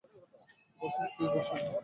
বসেন, প্লিজ বসেন।